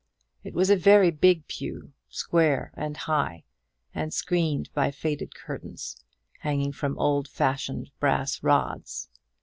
It was a very big pew, square and high, and screened by faded curtains, hanging from old fashioned brass rods.